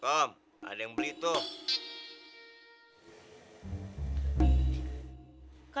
oh ada yang beli tuh